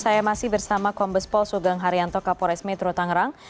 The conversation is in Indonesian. saya masih bersama kombes pol sugeng haryanto kapolres metro tangerang